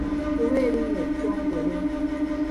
Kiwe erinnya ettongole.